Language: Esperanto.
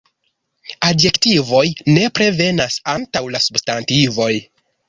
Adjektivoj nepre venas antaŭ la substantivoj.